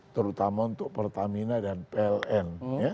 terutama untuk pertamina dan pln